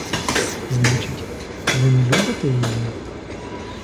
Значить, ви не любите її?